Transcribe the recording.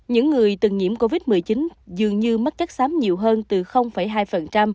những người từng nhiễm covid một mươi chín dường như mất chất xám nhiều hơn từ hai phần